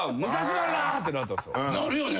なるよね